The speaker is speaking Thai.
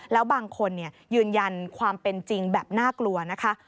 แล้วบางคนยืนยันความเป็นจริงแบบน่ากลัวนะคะ